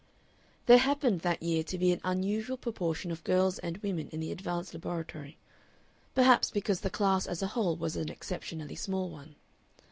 There happened that year to be an unusual proportion of girls and women in the advanced laboratory, perhaps because the class as a whole was an exceptionally small one.